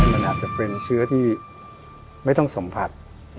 มันอาจจะเป็นเชื้อที่ไม่ต้องสัมผัส